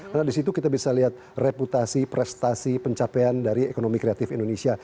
karena di situ kita bisa lihat reputasi prestasi pencapaian dari ekonomi kreatif indonesia